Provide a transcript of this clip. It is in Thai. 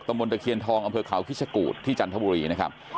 บนตะเคียนทองอำเภอเขาคิชกูธที่จันทบุรีนะครับ